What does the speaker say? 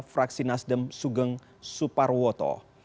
fraksi nasdem sugeng suparwoto